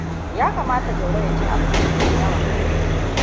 Ya kamata Jauro ya ci abinci mai yawa.